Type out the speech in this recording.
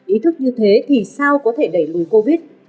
ý thức như thế thì sao có thể đẩy lùi covid